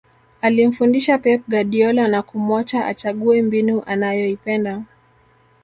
alimfundisha pep guardiola na kumuacha achague mbinu anayoipenda